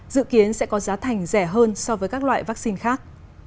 dự kiến sẽ có giá thành rẻ hơn so với các loại vaccine khác